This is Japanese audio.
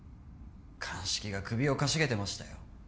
鑑識が首をかしげてましたよ